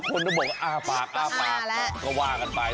คนที่บอกว่าปากก็ว่ากันไป